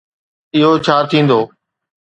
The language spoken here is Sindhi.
اهو ڇا ٿيندو؟